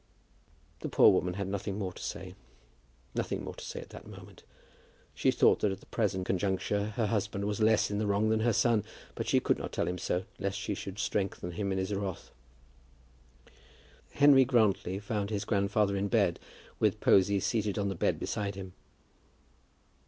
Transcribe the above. The poor woman had nothing more to say; nothing more to say at that moment. She thought that at the present conjuncture her husband was less in the wrong than her son, but she could not tell him so lest she should strengthen him in his wrath. Henry Grantly found his grandfather in bed, with Posy seated on the bed beside him.